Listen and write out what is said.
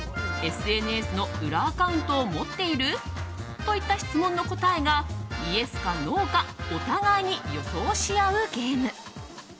ＳＮＳの裏アカウントを持っている？といった質問の答えがイエスかノーかお互いに予想し合うゲーム。